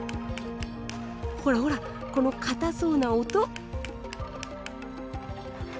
ほらほらこの堅そうな音！